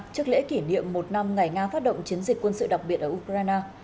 trước lễ kỷ niệm một năm ngày nga phát động chiến dịch quân sự đặc biệt ở ukraine